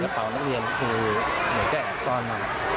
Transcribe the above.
เขาพกมายังไงคะท่านผู้กรรม